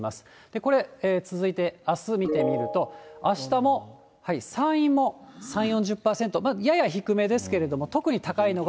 これ、続いてあす見てみると、あしたも山陰も３、４０％、やや低めですけれども、特に高いのは。